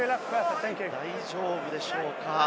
大丈夫でしょうか？